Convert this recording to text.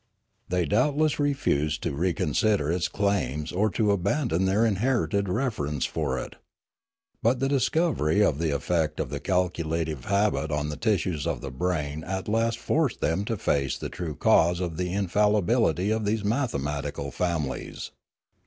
They doubtless refused to reconsider its claims or to abandon their inherited reverence for it. But the discovery of the effect of the calculative habit on the tissues of the brain at last forced them to face the true cause of the infallibility of the mathematical families.